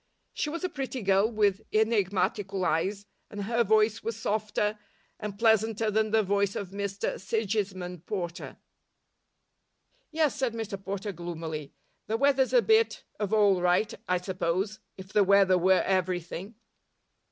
She was a pretty girl with enigmatical eyes, and her voice was softer and pleasanter than the voice of Mr Sigismund Porter. "Yes," said Mr Porter, gloomily, "the weather's a bit of all right, I suppose, if the weather were everything."